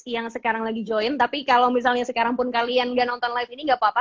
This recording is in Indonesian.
yang sekarang lagi join tapi kalau misalnya sekarang pun kalian nggak nonton live ini gak apa apa